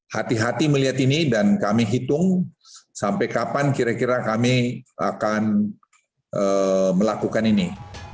hati hati melihat ini dan kami hitung sampai kapan kira kira kami akan melakukan ini